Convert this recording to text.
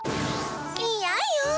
いやよ。